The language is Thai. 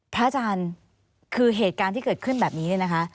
อาจารย์คือเหตุการณ์ที่เกิดขึ้นแบบนี้เนี่ยนะคะ